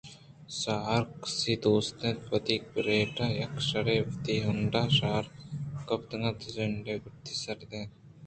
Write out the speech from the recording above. ساہ ہرکس ءَ دوست اِنت وتی رِیٹ یک شیرے وتی ہونڈ ءَشہار گپتگ اَت ءُ زند ءِ گُڈّی ساعتان اَت